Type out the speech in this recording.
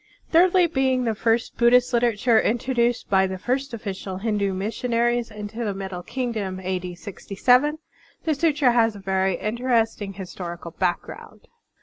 Thirdly, being the first Buddhist literature introduced by the first official Hindu missionaries into the Middle Kingdom (a. d. 67), the sutra has a very interesting historical background.